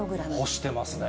干してますね。